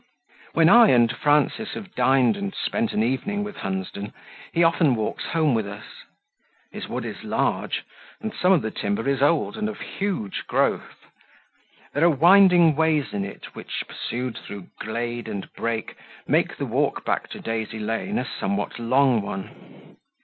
When I and Frances have dined and spent an evening with Hunsden, he often walks home with us. His wood is large, and some of the timber is old and of huge growth. There are winding ways in it which, pursued through glade and brake, make the walk back to Daisy Lane a somewhat long one.